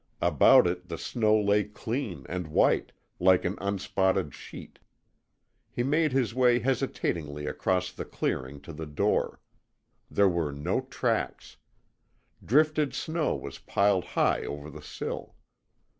About it the snow lay clean and white, like an unspotted sheet. He made his way hesitatingly across the clearing to the door. There were no tracks. Drifted snow was piled high over the sill.